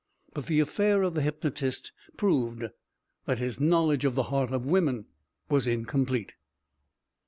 But the affair of the hypnotist proved that his knowledge of the heart of woman was incomplete.